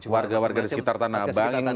warga warga di sekitar tanah abang